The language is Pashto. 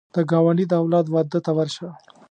د ګاونډي د اولاد واده ته ورشه